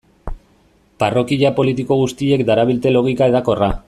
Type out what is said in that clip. Parrokia politiko guztiek darabilte logika hedakorra.